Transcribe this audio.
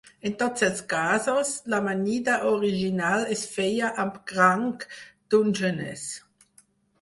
En tots els casos, l'amanida original es feia amb cranc Dungeness.